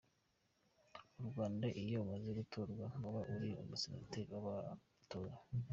U Rwanda iyo umaze gutorwa ntuba uri Umusenateri w’abagutoye.